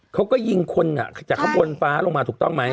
เขาก็ยิงคนจากข้างบนฟ้าลงมาถูกต้องไหม